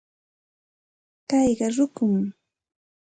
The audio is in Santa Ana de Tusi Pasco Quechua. Kayqa rukum.